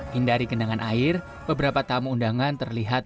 hindari genangan air beberapa tamu undangan terlihat